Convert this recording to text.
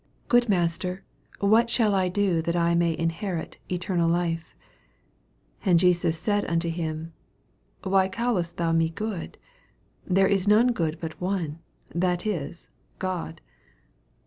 Good Master, what shall I do that I may inherit eternal life ? 18 And Jesus said unto him, Why callest thou me good ? there is none good but one, that is, God.